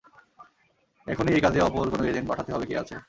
এখুনি এই কাজে অপর কোনো এজেন্ট পাঠাতে হবে, কে আছে?